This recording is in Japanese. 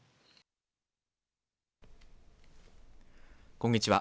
こんにちは。